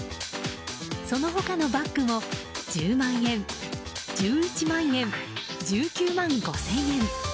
その他のバッグも１０万円、１１万円１９万５０００円